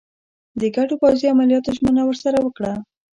د ګډو پوځي عملیاتو ژمنه ورسره وکړه.